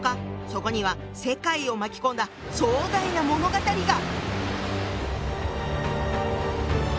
そこには世界を巻き込んだ壮大な物語が！